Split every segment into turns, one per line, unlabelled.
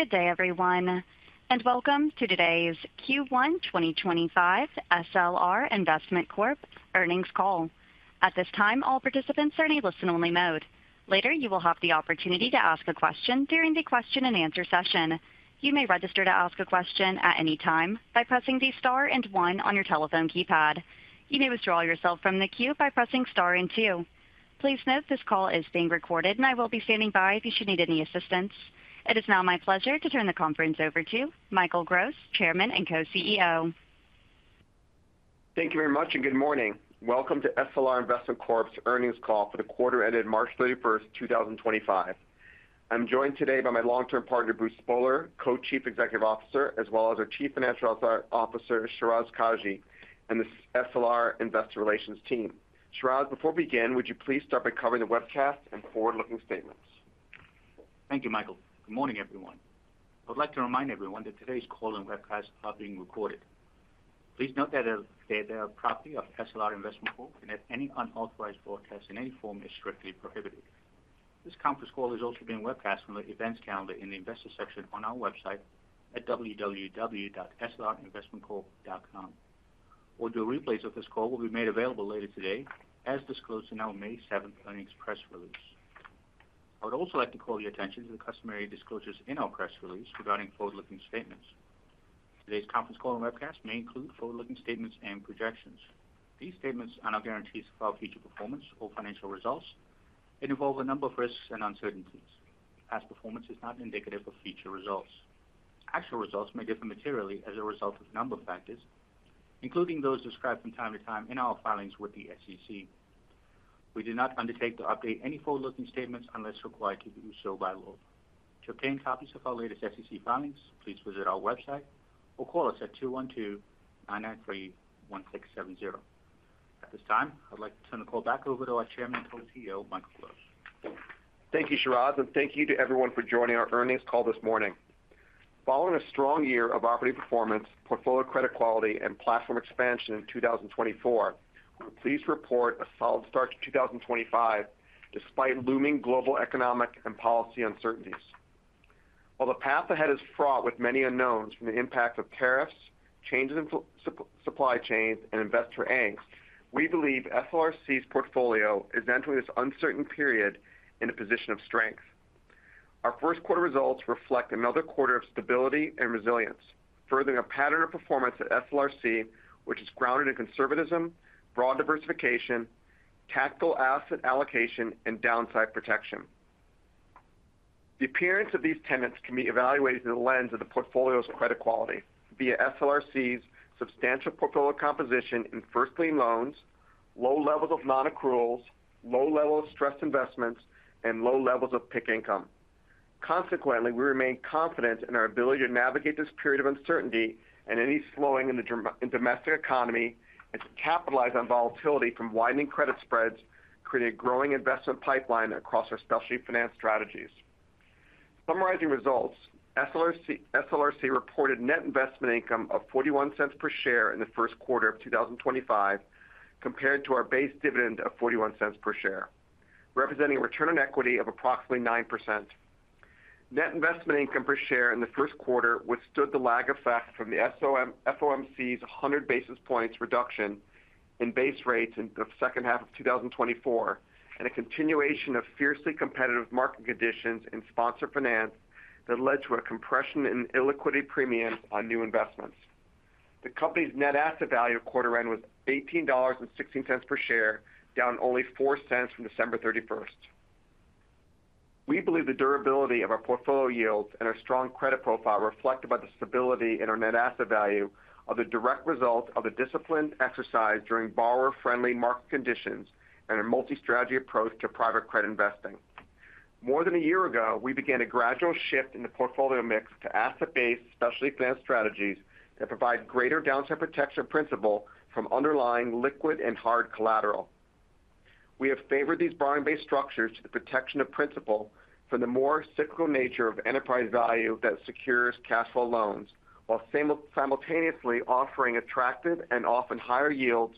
Good day, everyone, and welcome to today's Q1 2025 SLR Investment Corp Earnings Call. At this time, all participants are in a listen-only mode. Later, you will have the opportunity to ask a question during the question-and-answer session. You may register to ask a question at any time by pressing the star and one on your telephone keypad. You may withdraw yourself from the queue by pressing star and two. Please note this call is being recorded, and I will be standing by if you should need any assistance. It is now my pleasure to turn the conference over to Michael Gross, Chairman and Co-CEO.
Thank you very much, and good morning. Welcome to SLR Investment Corp's Earnings Call for the quarter ended March 31st, 2025. I'm joined today by my long-term partner, Bruce Spohler, Co-Chief Executive Officer, as well as our Chief Financial Officer, Shiraz Kajee, and the SLR Investor Relations team. Shiraz, before we begin, would you please start by covering the webcast and forward-looking statements?
Thank you, Michael. Good morning, everyone. I would like to remind everyone that today's call and webcast are being recorded. Please note that they are the property of SLR Investment Corp, and that any unauthorized broadcast in any form is strictly prohibited. This conference call is also being webcast from the events calendar in the investor section on our website at www.slrinvestmentcorp.com. Audio replays of this call will be made available later today, as disclosed in our May 7th earnings press release. I would also like to call your attention to the customary disclosures in our press release regarding forward-looking statements. Today's conference call and webcast may include forward-looking statements and projections. These statements are not guarantees of our future performance or financial results. They involve a number of risks and uncertainties. Past performance is not indicative of future results. Actual results may differ materially as a result of a number of factors, including those described from time to time in our filings with the SEC. We do not undertake to update any forward-looking statements unless required to do so by law. To obtain copies of our latest SEC filings, please visit our website or call us at 212-993-1670. At this time, I'd like to turn the call back over to our Chairman and Co-CEO, Michael Gross.
Thank you, Shiraz, and thank you to everyone for joining our earnings call this morning. Following a strong year of operating performance, portfolio credit quality, and platform expansion in 2024, we're pleased to report a solid start to 2025 despite looming global economic and policy uncertainties. While the path ahead is fraught with many unknowns from the impact of tariffs, changes in supply chains, and investor angst, we believe SLRC's portfolio is entering this uncertain period in a position of strength. Our first quarter results reflect another quarter of stability and resilience, furthering a pattern of performance at SLRC, which is grounded in conservatism, broad diversification, tactical asset allocation, and downside protection. The appearance of these tenets can be evaluated through the lens of the portfolio's credit quality via SLR Investment's substantial portfolio composition in first-line loans, low levels of non-accruals, low levels of stressed investments, and low levels of PIK income. Consequently, we remain confident in our ability to navigate this period of uncertainty and any slowing in the domestic economy and to capitalize on volatility from widening credit spreads, creating a growing investment pipeline across our specialty finance strategies. Summarizing results, SLR Investment reported net investment income of $0.41 per share in the first quarter of 2025, compared to our base dividend of $0.41 per share, representing a return on equity of approximately 9%. Net investment income per share in the first quarter withstood the lag effect from the FOMC's 100 basis points reduction in base rates in the second half of 2024 and a continuation of fiercely competitive market conditions in sponsor finance that led to a compression in illiquidity premiums on new investments. The company's net asset value quarter-end was $18.16 per share, down only $0.04 from December 31. We believe the durability of our portfolio yields and our strong credit profile reflect the stability in our net asset value as a direct result of the discipline exercised during borrower-friendly market conditions and our multi-strategy approach to private credit investing. More than a year ago, we began a gradual shift in the portfolio mix to asset-based specialty finance strategies that provide greater downside protection of principal from underlying liquid and hard collateral. We have favored these borrowing-based structures to the protection of principal from the more cyclical nature of enterprise value that secures cash flow loans, while simultaneously offering attractive and often higher yields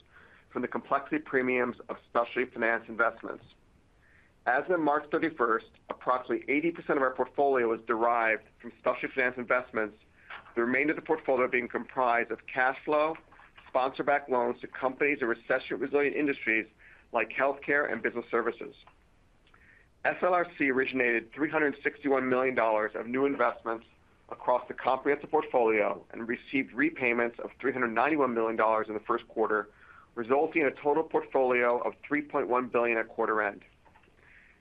from the complexity premiums of specialty finance investments. As of March 31, approximately 80% of our portfolio was derived from specialty finance investments, the remainder of the portfolio being comprised of cash flow, sponsor-backed loans to companies in recession-resilient industries like healthcare and business services. SLRC originated $361 million of new investments across the comprehensive portfolio and received repayments of $391 million in the first quarter, resulting in a total portfolio of $3.1 billion at quarter-end.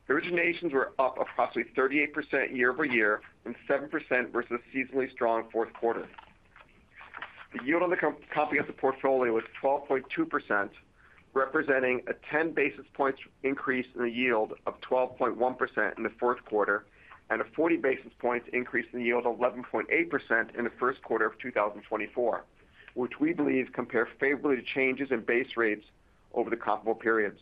The originations were up approximately 38% year-over-year and 7% versus a seasonally strong fourth quarter. The yield on the comprehensive portfolio was 12.2%, representing a 10 basis points increase in the yield of 12.1% in the fourth quarter and a 40 basis points increase in the yield of 11.8% in the first quarter of 2024, which we believe compares favorably to changes in base rates over the comparable periods.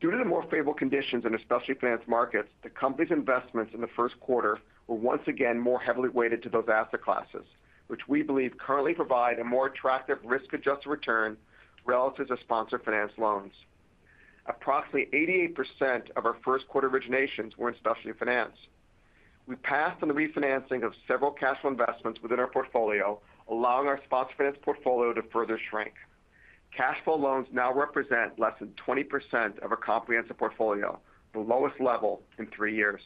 Due to the more favorable conditions in the specialty finance markets, the company's investments in the first quarter were once again more heavily weighted to those asset classes, which we believe currently provide a more attractive risk-adjusted return relative to sponsor-financed loans. Approximately 88% of our first quarter originations were in specialty finance. We passed on the refinancing of several cash flow investments within our portfolio, allowing our sponsor-financed portfolio to further shrink. Cash flow loans now represent less than 20% of our comprehensive portfolio, the lowest level in three years.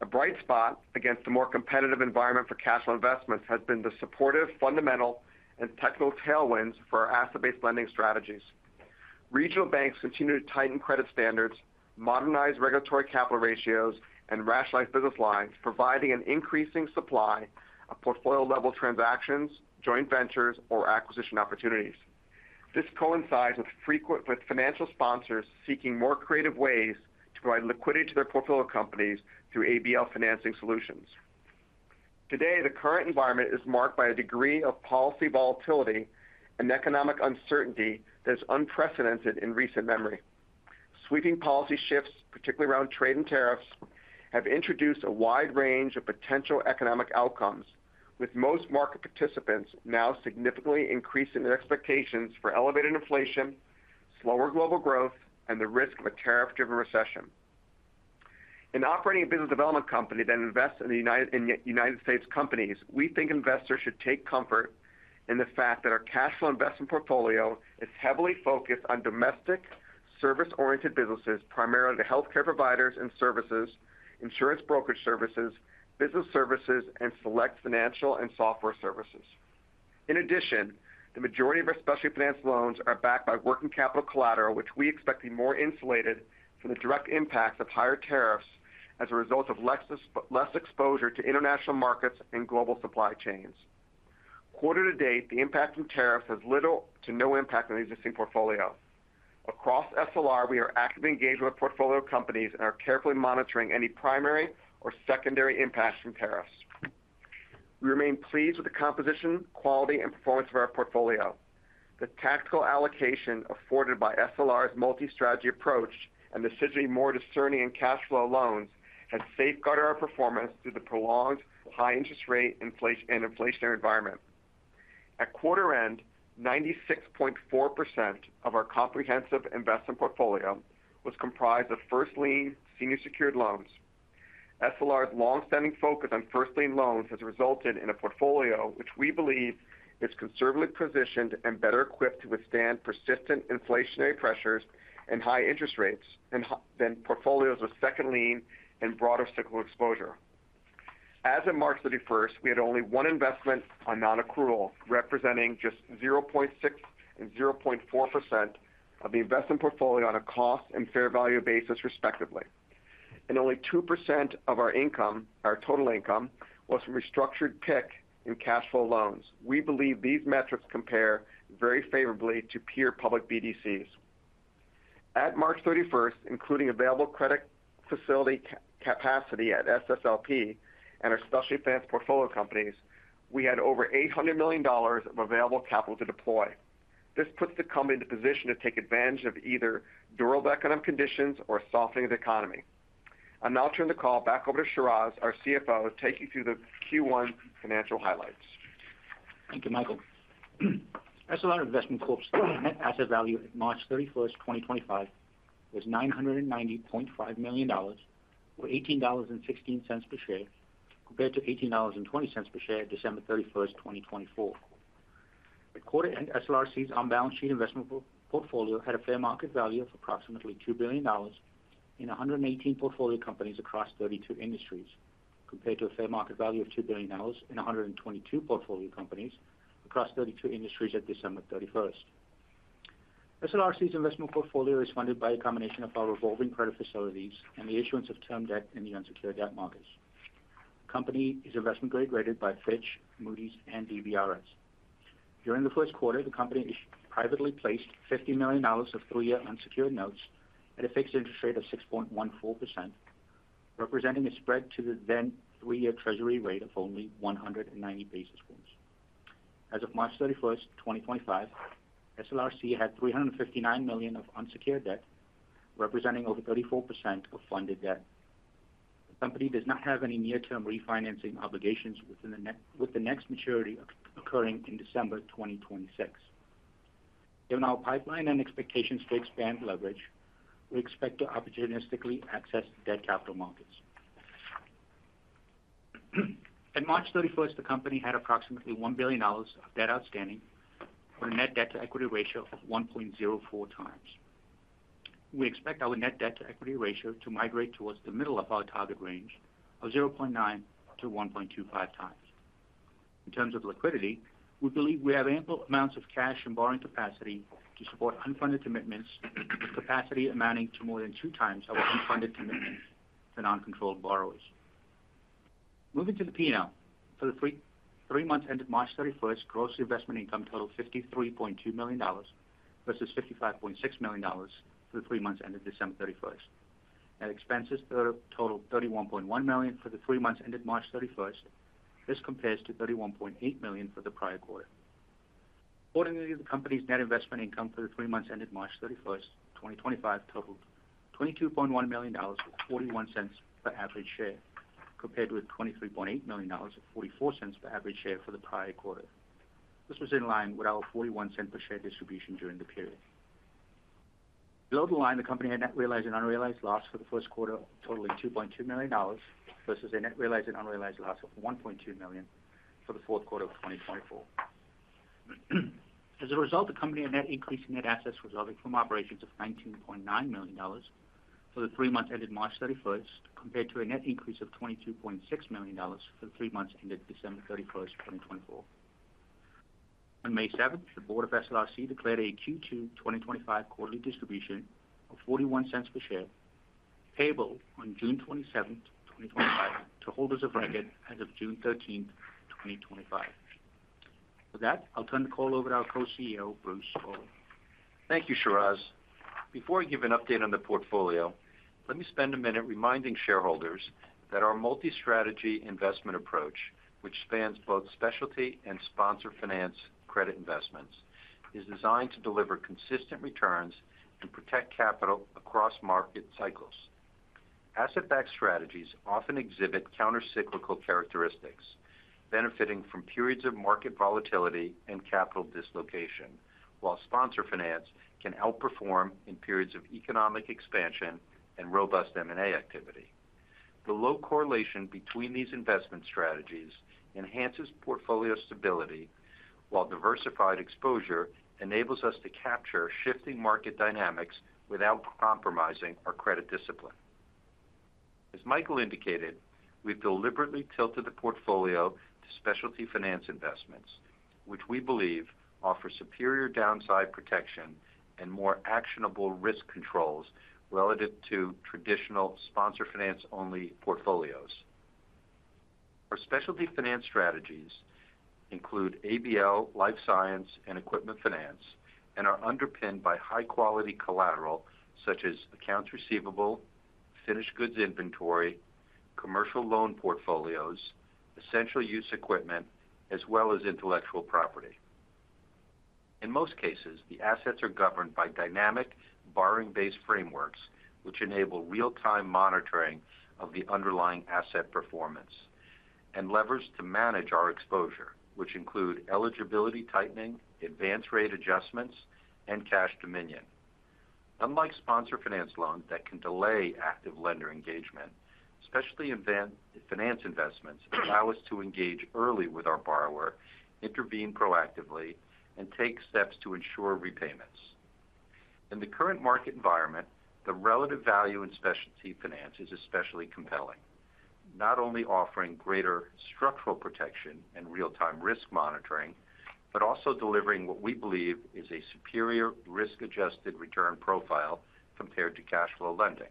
A bright spot against the more competitive environment for cash flow investments has been the supportive, fundamental, and technical tailwinds for our asset-based lending strategies. Regional banks continue to tighten credit standards, modernize regulatory capital ratios, and rationalize business lines, providing an increasing supply of portfolio-level transactions, joint ventures, or acquisition opportunities. This coincides with financial sponsors seeking more creative ways to provide liquidity to their portfolio companies through ABL financing solutions. Today, the current environment is marked by a degree of policy volatility and economic uncertainty that is unprecedented in recent memory. Sweeping policy shifts, particularly around trade and tariffs, have introduced a wide range of potential economic outcomes, with most market participants now significantly increasing their expectations for elevated inflation, slower global growth, and the risk of a tariff-driven recession. In operating a business development company that invests in United States companies, we think investors should take comfort in the fact that our cash flow investment portfolio is heavily focused on domestic service-oriented businesses, primarily the healthcare providers and services, insurance brokerage services, business services, and select financial and software services. In addition, the majority of our specialty finance loans are backed by working capital collateral, which we expect to be more insulated from the direct impacts of higher tariffs as a result of less exposure to international markets and global supply chains. Quarter to date, the impact from tariffs has little to no impact on the existing portfolio. Across SLR, we are actively engaged with our portfolio companies and are carefully monitoring any primary or secondary impacts from tariffs. We remain pleased with the composition, quality, and performance of our portfolio. The tactical allocation afforded by SLR's multi-strategy approach and decision to be more discerning in cash flow loans has safeguarded our performance through the prolonged high-interest rate and inflationary environment. At quarter-end, 96.4% of our comprehensive investment portfolio was comprised of first-line, senior-secured loans. SLR's long-standing focus on first-line loans has resulted in a portfolio which we believe is conservatively positioned and better equipped to withstand persistent inflationary pressures and high interest rates than portfolios with second-line and broader cyclical exposure. As of March 31, we had only one investment on non-accrual, representing just 0.6% and 0.4% of the investment portfolio on a cost and fair value basis, respectively. Only 2% of our total income was from restructured PIK and cash flow loans. We believe these metrics compare very favorably to peer public BDCs. At March 31, including available credit facility capacity at SSLP and our specialty finance portfolio companies, we had over $800 million of available capital to deploy. This puts the company in a position to take advantage of either durable economic conditions or a softening of the economy. I'm now turning the call back over to Shiraz, our CFO, to take you through the Q1 financial highlights.
Thank you, Michael. SLR Investment Corp's net asset value at March 31, 2025, was $990.5 million, or $18.16 per share, compared to $18.20 per share at December 31st, 2024. The quarter-end SLRC's unbalanced sheet investment portfolio had a fair market value of approximately $2 billion in 118 portfolio companies across 32 industries, compared to a fair market value of $2 billion in 122 portfolio companies across 32 industries at December 31st. SLRC's investment portfolio is funded by a combination of our revolving credit facilities and the issuance of term debt in the unsecured debt markets. The company is investment-grade rated by Fitch, Moody's, and DBRS. During the first quarter, the company privately placed $50 million of three-year unsecured notes at a fixed interest rate of 6.14%, representing a spread to the then three-year treasury rate of only 190 basis points. As of March 31st, 2025, SLR Investment had $359 million of unsecured debt, representing over 34% of funded debt. The company does not have any near-term refinancing obligations with the next maturity occurring in December 2026. Given our pipeline and expectations to expand leverage, we expect to opportunistically access debt capital markets. At March 31st, the company had approximately $1 billion of debt outstanding with a net debt-to-equity ratio of 1.04 times. We expect our net debt-to-equity ratio to migrate towards the middle of our target range of 0.9-1.25 times. In terms of liquidity, we believe we have ample amounts of cash and borrowing capacity to support unfunded commitments, with capacity amounting to more than two times our unfunded commitments to non-controlled borrowers. Moving to the P&L, for the three months ended March 31st, gross investment income totaled $53.2 million versus $55.6 million for the three months ended December 31st. Net expenses totaled $31.1 million for the three months ended March 31st. This compares to $31.8 million for the prior quarter. Accordingly, the company's net investment income for the three months ended March 31st, 2025, totaled $22.1 million with $0.41 per average share, compared with $23.8 million with $0.44 per average share for the prior quarter. This was in line with our $0.41 per share distribution during the period. Below the line, the company had net realized and unrealized loss for the first quarter, totaling $2.2 million versus a net realized and unrealized loss of $1.2 million for the fourth quarter of 2024. As a result, the company had net increase in net assets resulting from operations of $19.9 million for the three months ended March 31st, compared to a net increase of $22.6 million for the three months ended December 31st, 2024. On May 7th, the board of SLR Investment declared a Q2 2025 quarterly distribution of $0.41 per share, payable on June 27th, 2025, to holders of record as of June 13th, 2025. With that, I'll turn the call over to our Co-CEO, Bruce Spohler.
Thank you, Shiraz. Before I give an update on the portfolio, let me spend a minute reminding shareholders that our multi-strategy investment approach, which spans both specialty and sponsor-financed credit investments, is designed to deliver consistent returns and protect capital across market cycles. Asset-backed strategies often exhibit countercyclical characteristics, benefiting from periods of market volatility and capital dislocation, while sponsor finance can outperform in periods of economic expansion and robust M&A activity. The low correlation between these investment strategies enhances portfolio stability, while diversified exposure enables us to capture shifting market dynamics without compromising our credit discipline. As Michael indicated, we've deliberately tilted the portfolio to specialty finance investments, which we believe offer superior downside protection and more actionable risk controls relative to traditional sponsor-finance-only portfolios. Our specialty finance strategies include ABL, life science, and equipment finance, and are underpinned by high-quality collateral such as accounts receivable, finished goods inventory, commercial loan portfolios, essential use equipment, as well as intellectual property. In most cases, the assets are governed by dynamic borrowing-based frameworks, which enable real-time monitoring of the underlying asset performance, and levers to manage our exposure, which include eligibility tightening, advance rate adjustments, and cash dominion. Unlike sponsor-finance loans that can delay active lender engagement, specialty finance investments allow us to engage early with our borrower, intervene proactively, and take steps to ensure repayments. In the current market environment, the relative value in specialty finance is especially compelling, not only offering greater structural protection and real-time risk monitoring, but also delivering what we believe is a superior risk-adjusted return profile compared to cash flow lending.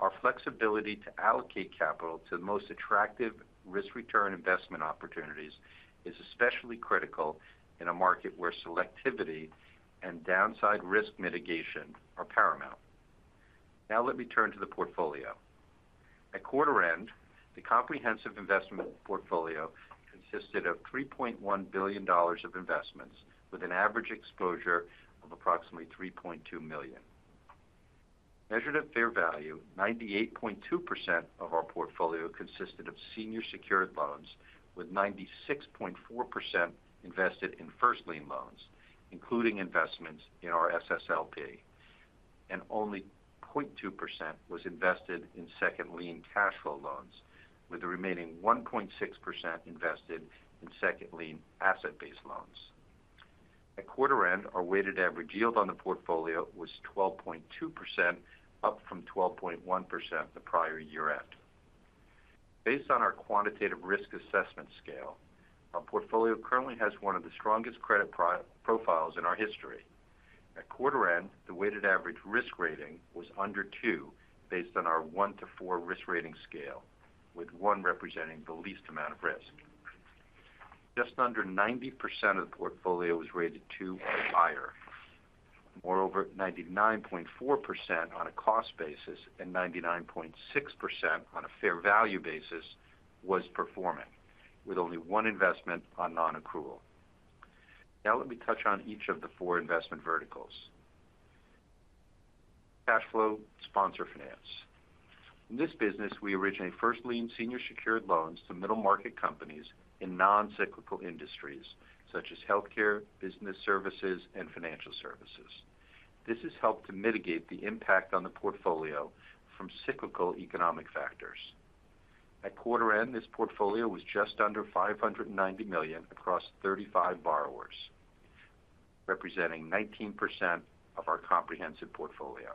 Our flexibility to allocate capital to the most attractive risk-return investment opportunities is especially critical in a market where selectivity and downside risk mitigation are paramount. Now, let me turn to the portfolio. At quarter-end, the comprehensive investment portfolio consisted of $3.1 billion of investments with an average exposure of approximately $3.2 million. Measured at fair value, 98.2% of our portfolio consisted of senior-secured loans, with 96.4% invested in first-line loans, including investments in our SSLP, and only 0.2% was invested in second-line cash flow loans, with the remaining 1.6% invested in second-line asset-based loans. At quarter-end, our weighted average yield on the portfolio was 12.2%, up from 12.1% the prior year-end. Based on our quantitative risk assessment scale, our portfolio currently has one of the strongest credit profiles in our history. At quarter-end, the weighted average risk rating was under two based on our one to four risk rating scale, with one representing the least amount of risk. Just under 90% of the portfolio was rated two or higher. Moreover, 99.4% on a cost basis and 99.6% on a fair value basis was performing, with only one investment on non-accrual. Now, let me touch on each of the four investment verticals. Cash flow, sponsor finance. In this business, we originate first-line senior secured loans to middle-market companies in non-cyclical industries such as healthcare, business services, and financial services. This has helped to mitigate the impact on the portfolio from cyclical economic factors. At quarter-end, this portfolio was just under $590 million across 35 borrowers, representing 19% of our comprehensive portfolio.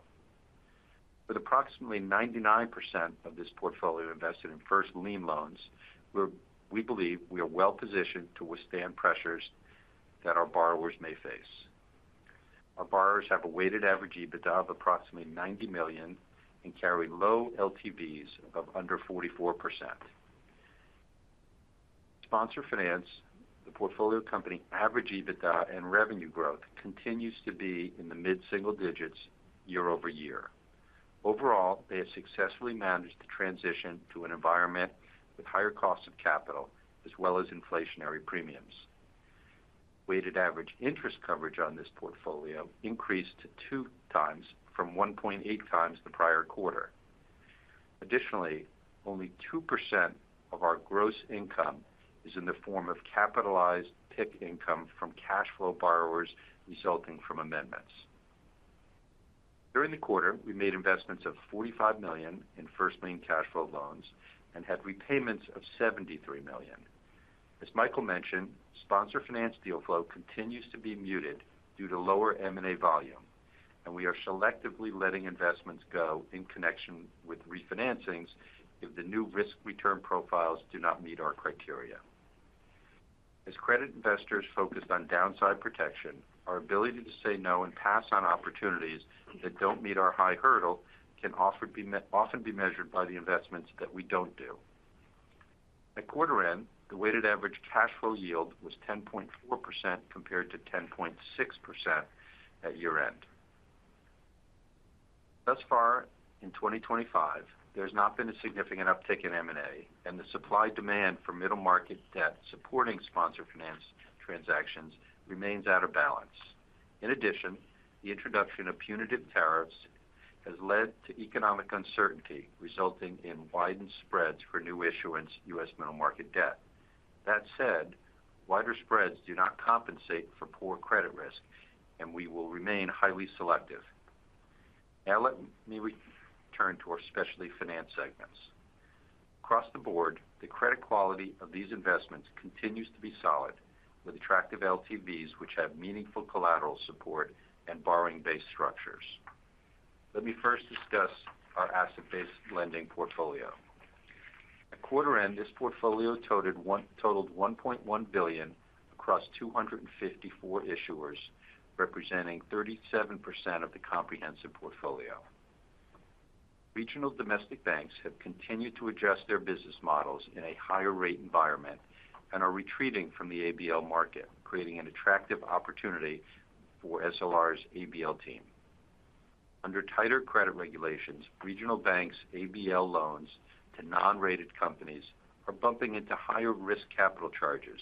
With approximately 99% of this portfolio invested in first-line loans, we believe we are well-positioned to withstand pressures that our borrowers may face. Our borrowers have a weighted average EBITDA of approximately $90 million and carry low LTVs of under 44%. Sponsor finance, the portfolio company's average EBITDA and revenue growth continues to be in the mid-single digits year over year. Overall, they have successfully managed to transition to an environment with higher costs of capital as well as inflationary premiums. Weighted average interest coverage on this portfolio increased two times from 1.8 times the prior quarter. Additionally, only 2% of our gross income is in the form of capitalized PIK income from cash flow borrowers resulting from amendments. During the quarter, we made investments of $45 million in first-line cash flow loans and had repayments of $73 million. As Michael mentioned, sponsor finance deal flow continues to be muted due to lower M&A volume, and we are selectively letting investments go in connection with refinancings if the new risk-return profiles do not meet our criteria. As credit investors focused on downside protection, our ability to say no and pass on opportunities that do not meet our high hurdle can often be measured by the investments that we do not do. At quarter-end, the weighted average cash flow yield was 10.4% compared to 10.6% at year-end. Thus far, in 2025, there has not been a significant uptick in M&A, and the supply-demand for middle-market debt supporting sponsor finance transactions remains out of balance. In addition, the introduction of punitive tariffs has led to economic uncertainty, resulting in widened spreads for new issuance U.S. middle-market debt. That said, wider spreads do not compensate for poor credit risk, and we will remain highly selective. Now, let me return to our specialty finance segments. Across the board, the credit quality of these investments continues to be solid, with attractive LTVs which have meaningful collateral support and borrowing-based structures. Let me first discuss our asset-based lending portfolio. At quarter-end, this portfolio totaled $1.1 billion across 254 issuers, representing 37% of the comprehensive portfolio. Regional domestic banks have continued to adjust their business models in a higher-rate environment and are retreating from the ABL market, creating an attractive opportunity for SLR's ABL team. Under tighter credit regulations, regional banks' ABL loans to non-rated companies are bumping into higher risk capital charges,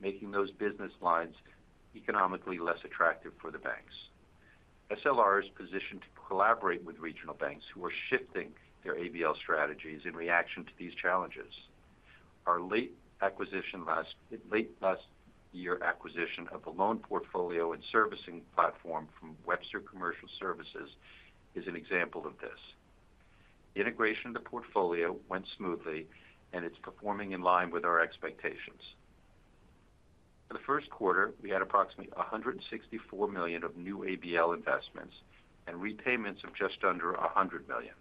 making those business lines economically less attractive for the banks. SLR is positioned to collaborate with regional banks who are shifting their ABL strategies in reaction to these challenges. Our late-year acquisition of the loan portfolio and servicing platform from Webster Commercial Services is an example of this. Integration of the portfolio went smoothly, and it's performing in line with our expectations. For the first quarter, we had approximately $164 million of new ABL investments and repayments of just under $100 million.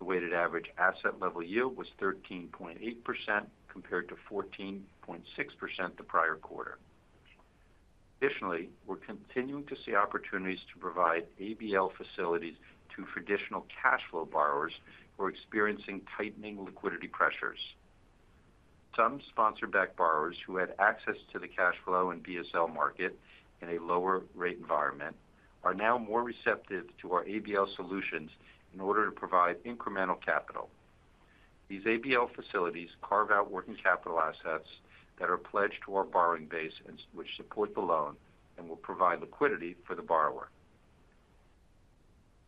The weighted average asset-level yield was 13.8% compared to 14.6% the prior quarter. Additionally, we're continuing to see opportunities to provide ABL facilities to traditional cash flow borrowers who are experiencing tightening liquidity pressures. Some sponsor-backed borrowers who had access to the cash flow and BSL market in a lower-rate environment are now more receptive to our ABL solutions in order to provide incremental capital. These ABL facilities carve out working capital assets that are pledged to our borrowing base, which support the loan and will provide liquidity for the borrower.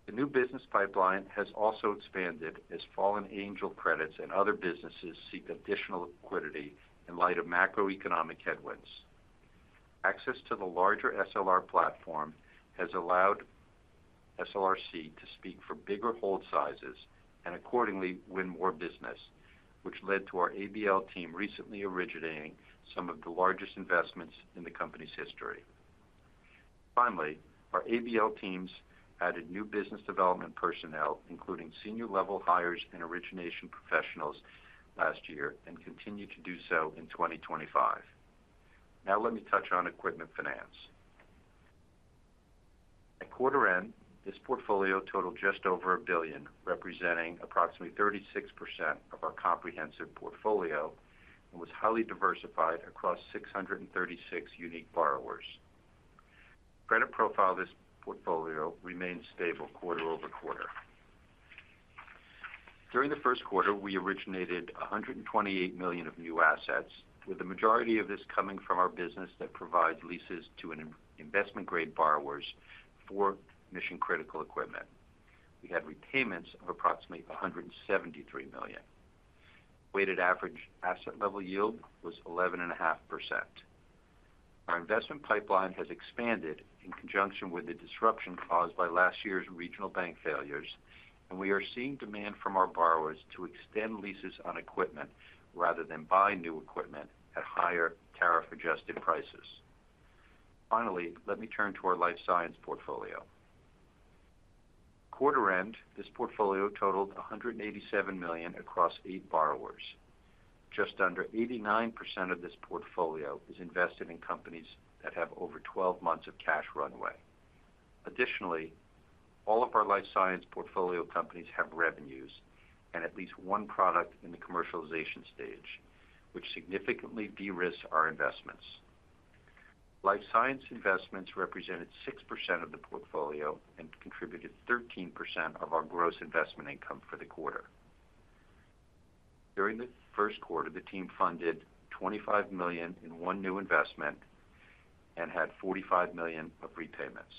The new business pipeline has also expanded as fallen angel credits and other businesses seek additional liquidity in light of macroeconomic headwinds. Access to the larger SLR platform has allowed SLRC to speak for bigger hold sizes and, accordingly, win more business, which led to our ABL team recently originating some of the largest investments in the company's history. Finally, our ABL teams added new business development personnel, including senior-level hires and origination professionals last year and continue to do so in 2025. Now, let me touch on equipment finance. At quarter-end, this portfolio totaled just over $1 billion, representing approximately 36% of our comprehensive portfolio, and was highly diversified across 636 unique borrowers. Credit profile of this portfolio remained stable quarter over quarter. During the first quarter, we originated $128 million of new assets, with the majority of this coming from our business that provides leases to investment-grade borrowers for mission-critical equipment. We had repayments of approximately $173 million. Weighted average asset-level yield was 11.5%. Our investment pipeline has expanded in conjunction with the disruption caused by last year's regional bank failures, and we are seeing demand from our borrowers to extend leases on equipment rather than buy new equipment at higher tariff-adjusted prices. Finally, let me turn to our life science portfolio. Quarter-end, this portfolio totaled $187 million across eight borrowers. Just under 89% of this portfolio is invested in companies that have over 12 months of cash runway. Additionally, all of our life science portfolio companies have revenues and at least one product in the commercialization stage, which significantly de-risked our investments. Life science investments represented 6% of the portfolio and contributed 13% of our gross investment income for the quarter. During the first quarter, the team funded $25 million in one new investment and had $45 million of repayments.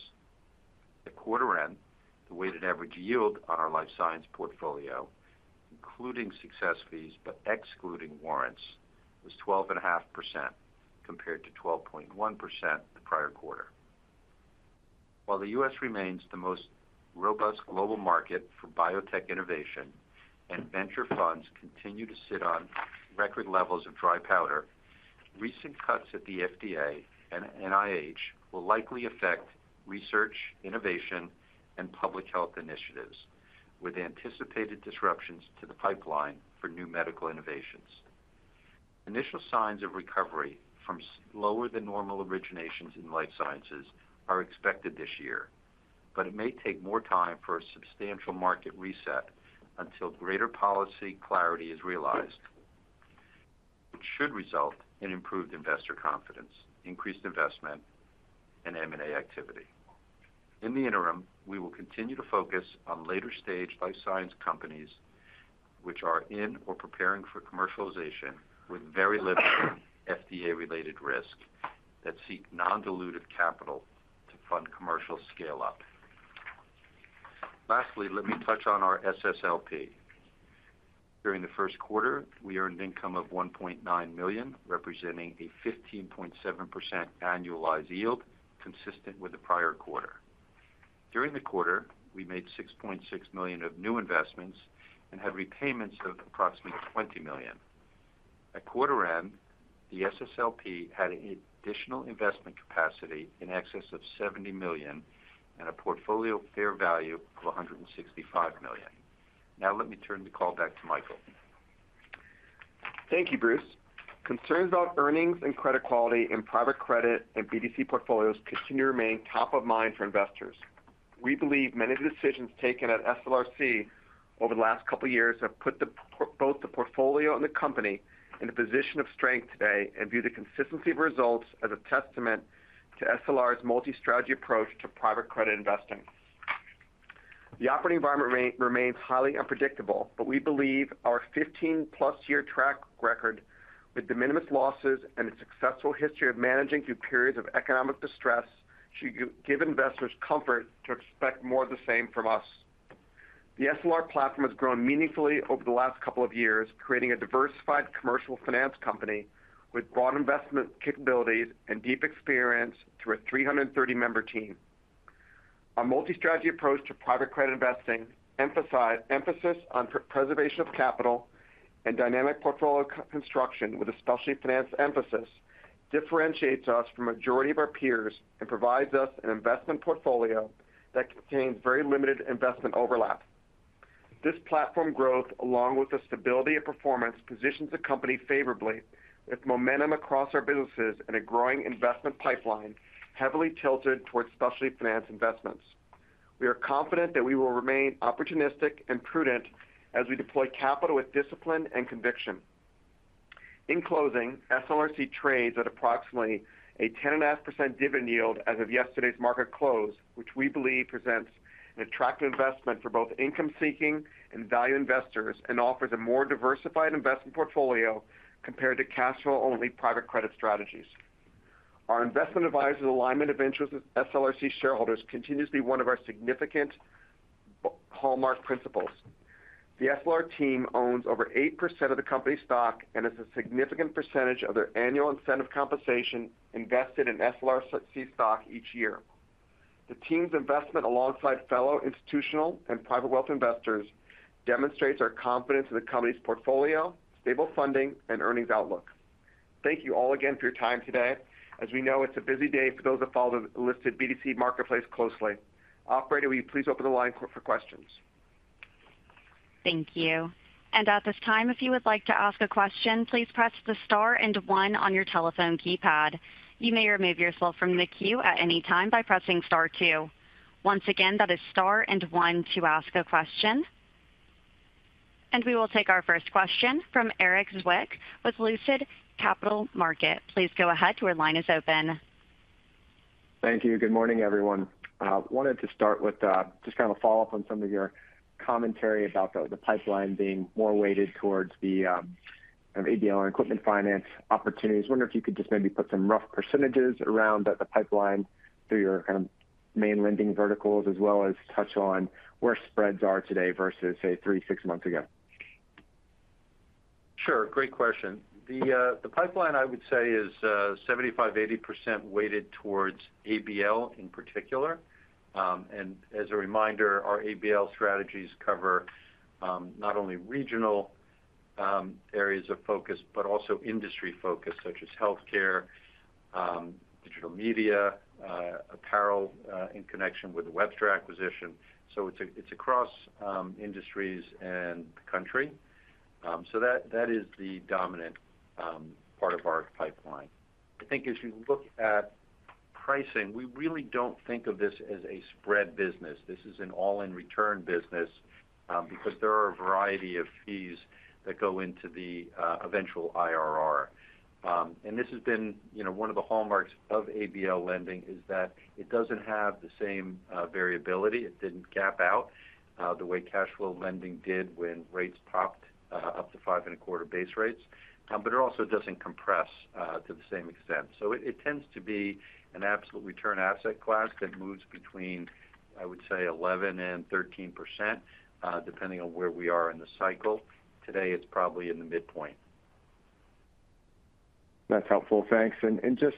At quarter-end, the weighted average yield on our life science portfolio, including success fees but excluding warrants, was 12.5% compared to 12.1% the prior quarter. While the U.S. remains the most robust global market for biotech innovation and venture funds continue to sit on record levels of dry powder, recent cuts at the FDA and NIH will likely affect research, innovation, and public health initiatives, with anticipated disruptions to the pipeline for new medical innovations. Initial signs of recovery from lower-than-normal originations in life sciences are expected this year, but it may take more time for a substantial market reset until greater policy clarity is realized, which should result in improved investor confidence, increased investment, and M&A activity. In the interim, we will continue to focus on later-stage life science companies which are in or preparing for commercialization with very limited FDA-related risk that seek non-dilutive capital to fund commercial scale-up. Lastly, let me touch on our SSLP. During the first quarter, we earned income of $1.9 million, representing a 15.7% annualized yield consistent with the prior quarter. During the quarter, we made $6.6 million of new investments and had repayments of approximately $20 million. At quarter-end, the SSLP had additional investment capacity in excess of $70 million and a portfolio fair value of $165 million. Now, let me turn the call back to Michael.
Thank you, Bruce. Concerns about earnings and credit quality in private credit and BDC portfolios continue to remain top of mind for investors. We believe many of the decisions taken at SLR Investment over the last couple of years have put both the portfolio and the company in a position of strength today and view the consistency of results as a testament to SLR's multi-strategy approach to private credit investing. The operating environment remains highly unpredictable, but we believe our 15-plus-year track record with de minimis losses and a successful history of managing through periods of economic distress should give investors comfort to expect more of the same from us. The SLR platform has grown meaningfully over the last couple of years, creating a diversified commercial finance company with broad investment capabilities and deep experience through a 330-member team. Our multi-strategy approach to private credit investing, emphasis on preservation of capital and dynamic portfolio construction with a specialty finance emphasis, differentiates us from the majority of our peers and provides us an investment portfolio that contains very limited investment overlap. This platform growth, along with the stability of performance, positions the company favorably, with momentum across our businesses and a growing investment pipeline heavily tilted towards specialty finance investments. We are confident that we will remain opportunistic and prudent as we deploy capital with discipline and conviction. In closing, SLRC trades at approximately a 10.5% dividend yield as of yesterday's market close, which we believe presents an attractive investment for both income-seeking and value investors and offers a more diversified investment portfolio compared to cash flow-only private credit strategies. Our investment advisor's alignment of interest with SLRC shareholders continues to be one of our significant hallmark principles. The SLR team owns over 8% of the company's stock and has a significant percentage of their annual incentive compensation invested in SLRC stock each year. The team's investment alongside fellow institutional and private wealth investors demonstrates our confidence in the company's portfolio, stable funding, and earnings outlook. Thank you all again for your time today. As we know, it is a busy day for those that follow the listed BDC marketplace closely. Operator, will you please open the line for questions?
Thank you. At this time, if you would like to ask a question, please press the star and one on your telephone keypad. You may remove yourself from the queue at any time by pressing star two. Once again, that is star and one to ask a question. We will take our first question from Erik Zwick with Lucid Capital Markets. Please go ahead to where line is open.
Thank you. Good morning, everyone. I wanted to start with just kind of a follow-up on some of your commentary about the pipeline being more weighted towards the ABL and equipment finance opportunities. I wonder if you could just maybe put some rough percentages around the pipeline through your kind of main lending verticals, as well as touch on where spreads are today versus, say, three, six months ago?
Sure. Great question. The pipeline, I would say, is 75-80% weighted towards ABL in particular. And as a reminder, our ABL strategies cover not only regional areas of focus but also industry focus, such as healthcare, digital media, apparel in connection with Webster acquisition. It is across industries and the country. That is the dominant part of our pipeline. I think if you look at pricing, we really do not think of this as a spread business. This is an all-in-return business because there are a variety of fees that go into the eventual IRR. And this has been one of the hallmarks of ABL lending is that it does not have the same variability. It did not cap out the way cash flow lending did when rates popped up to 5.25% base rates. But it also does not compress to the same extent. It tends to be an absolute return asset class that moves between, I would say, 11-13%, depending on where we are in the cycle. Today, it is probably in the midpoint.
That is helpful. Thanks. Just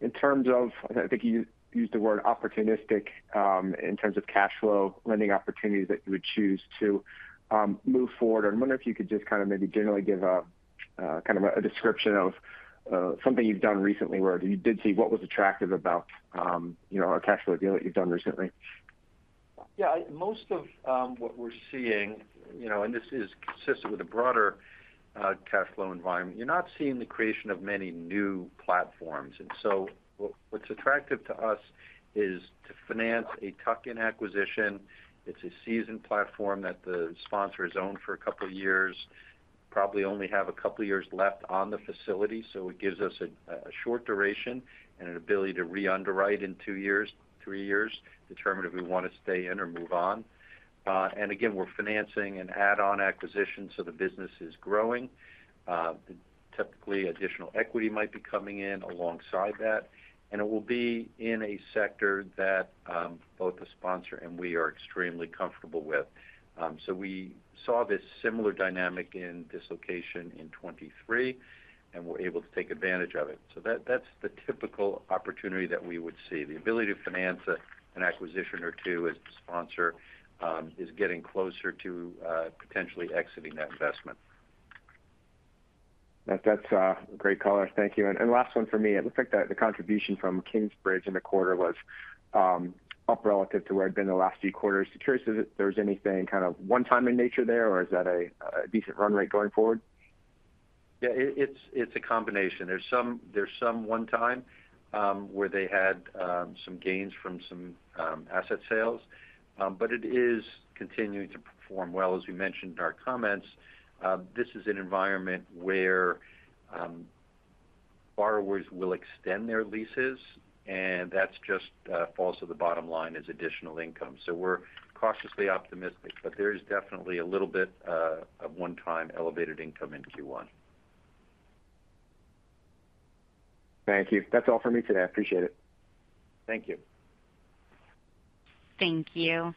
in terms of I think you used the word opportunistic in terms of cash flow lending opportunities that you would choose to move forward. I wonder if you could just kind of maybe generally give kind of a description of something you've done recently where you did see what was attractive about a cash flow deal that you've done recently?
Yeah. Most of what we're seeing, and this is consistent with a broader cash flow environment, you're not seeing the creation of many new platforms. What's attractive to us is to finance a tuck-in acquisition. It's a seasoned platform that the sponsor has owned for a couple of years, probably only have a couple of years left on the facility. It gives us a short duration and an ability to re-underwrite in two years, three years, determine if we want to stay in or move on. We're financing an add-on acquisition, so the business is growing. Typically, additional equity might be coming in alongside that. It will be in a sector that both the sponsor and we are extremely comfortable with. We saw this similar dynamic in dislocation in 2023, and we were able to take advantage of it. That is the typical opportunity that we would see. The ability to finance an acquisition or two as the sponsor is getting closer to potentially exiting that investment.
That is great, Color. Thank you. Last one for me. It looks like the contribution from Kingsbridge in the quarter was up relative to where it had been the last few quarters. Curious if there was anything kind of one-time in nature there, or is that a decent run rate going forward?
Yeah. It is a combination. There is some one-time where they had some gains from some asset sales. It is continuing to perform well. As we mentioned in our comments, this is an environment where borrowers will extend their leases, and that just falls to the bottom line as additional income. We are cautiously optimistic, but there is definitely a little bit of one-time elevated income in Q1.
Thank you. That is all for me today. I appreciate it.
Thank you.
Thank you.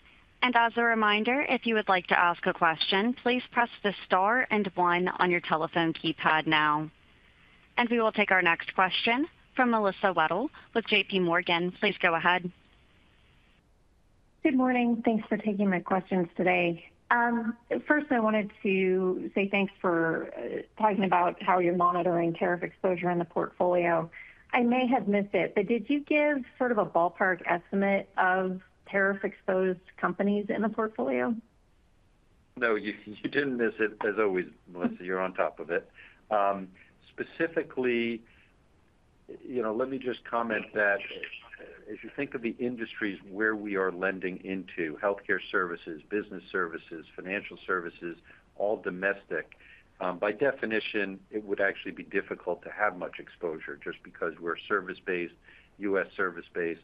As a reminder, if you would like to ask a question, please press the star and one on your telephone keypad now. We will take our next question from Melissa Wedel with J.P. Morgan. Please go ahead.
Good morning. Thanks for taking my questions today. First, I wanted to say thanks for talking about how you are monitoring tariff exposure in the portfolio. I may have missed it, but did you give sort of a ballpark estimate of tariff-exposed companies in the portfolio?
No. You did not miss it, as always, Melissa. You're on top of it. Specifically, let me just comment that if you think of the industries where we are lending into—healthcare services, business services, financial services, all domestic—by definition, it would actually be difficult to have much exposure just because we're service-based, U.S. service-based,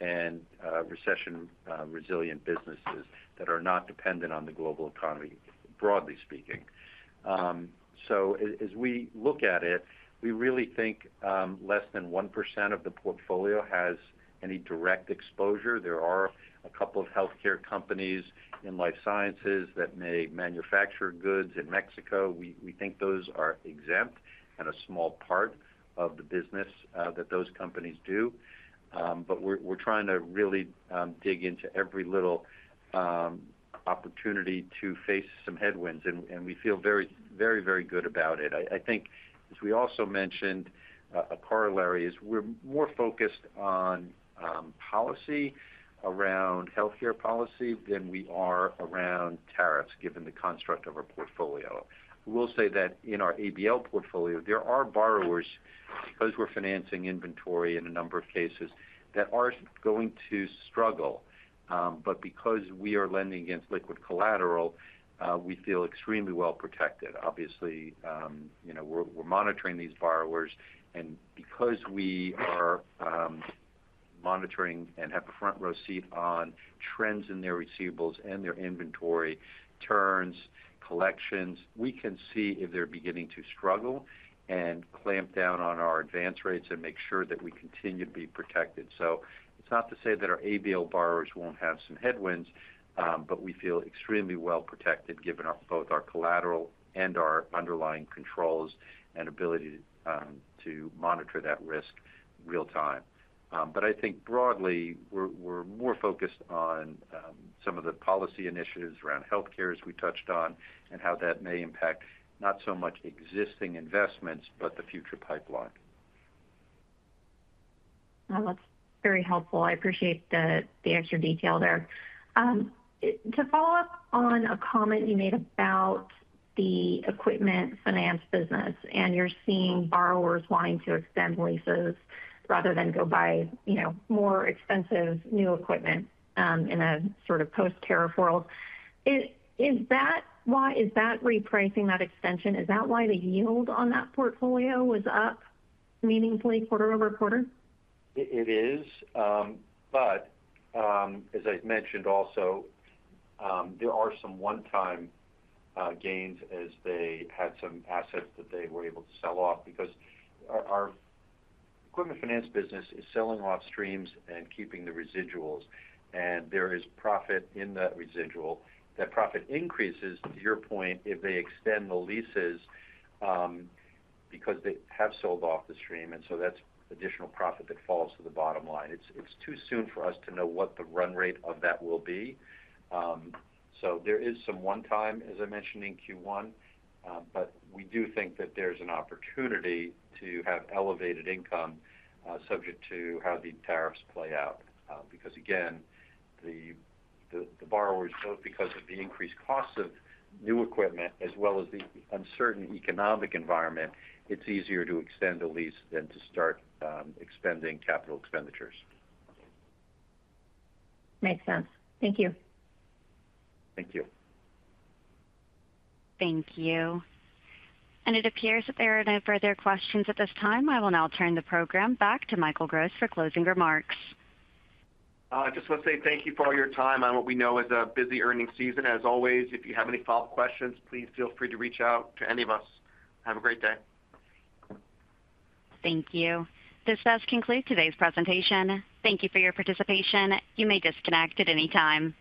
and recession-resilient businesses that are not dependent on the global economy, broadly speaking. As we look at it, we really think less than 1% of the portfolio has any direct exposure. There are a couple of healthcare companies in life sciences that may manufacture goods in Mexico. We think those are exempt and a small part of the business that those companies do. We're trying to really dig into every little opportunity to face some headwinds, and we feel very, very good about it. I think, as we also mentioned, a corollary is we're more focused on policy around healthcare policy than we are around tariffs, given the construct of our portfolio. We'll say that in our ABL portfolio, there are borrowers, because we're financing inventory in a number of cases, that are going to struggle. Because we are lending against liquid collateral, we feel extremely well protected. Obviously, we're monitoring these borrowers. Because we are monitoring and have a front-row seat on trends in their receivables and their inventory turns, collections, we can see if they're beginning to struggle and clamp down on our advance rates and make sure that we continue to be protected. It's not to say that our ABL borrowers won't have some headwinds, but we feel extremely well protected, given both our collateral and our underlying controls and ability to monitor that risk real-time. But I think, broadly, we're more focused on some of the policy initiatives around healthcare, as we touched on, and how that may impact not so much existing investments but the future pipeline.
That's very helpful. I appreciate the extra detail there. To follow up on a comment you made about the equipment finance business and you're seeing borrowers wanting to extend leases rather than go buy more expensive new equipment in a sort of post-tariff world, is that why is that repricing, that extension? Is that why the yield on that portfolio was up meaningfully quarter over quarter?
It is. As I mentioned also, there are some one-time gains as they had some assets that they were able to sell off because our equipment finance business is selling off streams and keeping the residuals. There is profit in that residual. That profit increases, to your point, if they extend the leases because they have sold off the stream. That is additional profit that falls to the bottom line. It is too soon for us to know what the run rate of that will be. There is some one-time, as I mentioned, in Q1. We do think that there is an opportunity to have elevated income subject to how the tariffs play out. Again, the borrowers, both because of the increased cost of new equipment as well as the uncertain economic environment, find it easier to extend a lease than to start expending capital expenditures.
Makes sense. Thank you.
Thank you.
Thank you. It appears that there are no further questions at this time. I will now turn the program back to Michael Gross for closing remarks.
I just want to say thank you for all your time on what we know is a busy earnings season. As always, if you have any follow-up questions, please feel free to reach out to any of us. Have a great day.
Thank you. This does conclude today's presentation. Thank you for your participation. You may disconnect at any time.